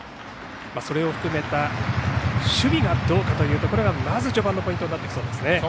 それを含めた守備がどうかというところがまず序盤のポイントになっていきそうですね。